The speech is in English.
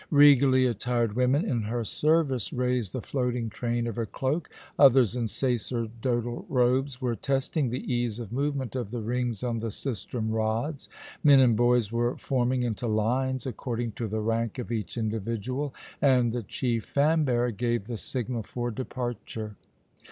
Regally attired women in her service raised the floating train of her cloak; others, in sacerdotal robes, were testing the ease of movement of the rings on the sistrum rods, men and boys were forming into lines according to the rank of each individual, and the chief fan bearer gave the signal for departure.